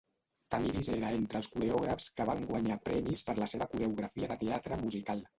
Tamiris era entre els coreògrafs que van guanyar premis per la seva coreografia de teatre musical.